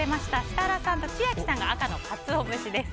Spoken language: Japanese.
設楽さんと千秋さんが赤のカツオ節です。